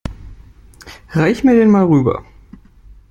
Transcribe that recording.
Reich mir den mal rüber.